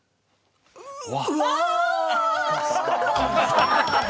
うわ！